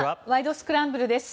スクランブル」です。